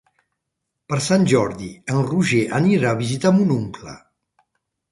Per Sant Jordi en Roger anirà a visitar mon oncle.